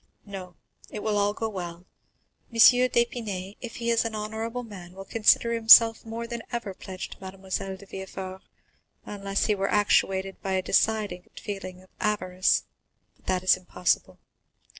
No, it will all go well; M. d'Épinay, if he is an honorable man, will consider himself more than ever pledged to Mademoiselle de Villefort, unless he were actuated by a decided feeling of avarice, but that is impossible."